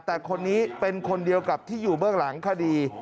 แต่คนนี้เป็นคนเดียวกับที่อยู่เบื้องหลังคดี